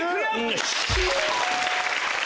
よし！